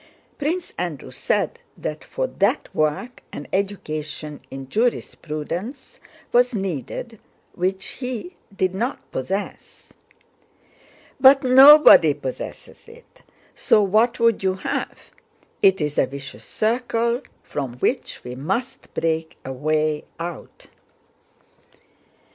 Prince Andrew said that for that work an education in jurisprudence was needed which he did not possess. "But nobody possesses it, so what would you have? It is a vicious circle from which we must break a way out."